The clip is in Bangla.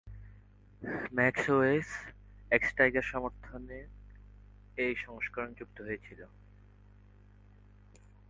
ম্যাক ওএস এক্স টাইগার সমর্থন এই সংস্করণে যুক্ত হয়েছিল।